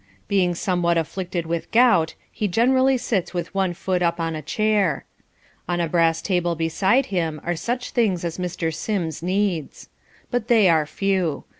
Being somewhat afflicted with gout, he generally sits with one foot up on a chair. On a brass table beside him are such things as Mr. Sims needs. But they are few.